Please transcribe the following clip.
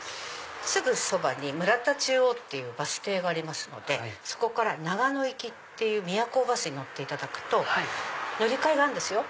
すぐそばに村田中央っていうバス停がありますのでそこから永野行きっていうミヤコーバスに乗っていただくと乗り換えがあるんですよ